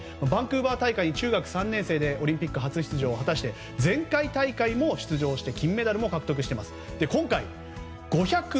バンクーバー大会に中学３年生でオリンピック初出場を果たして前回大会も出場して金メダルも獲得しています。